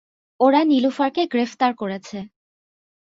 ওরা নিলুফারকে গ্রেফতার করেছে।